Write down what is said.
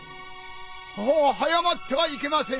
ああはやまってはいけません！